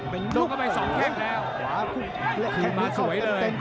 โดนเข้าไปสองเข้มแล้วคุมมาสวยเลย